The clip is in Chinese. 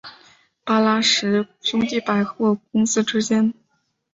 巴拉什兄弟百货公司之间。